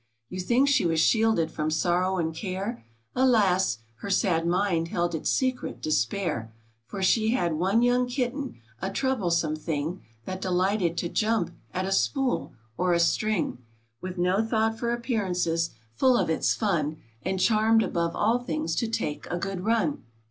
You think she was shielded from sorrow and care ; Alas ! her sad mind held its secret despair ; For she had one young Kitten — a troublesome thing — That delighted to jump at a spool or a string 14 THE CAT AND HER KITTEN. ■With no thought for appearances— full of its fun — And charmed above all things to take a good run